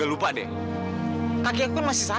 alamak e leader asia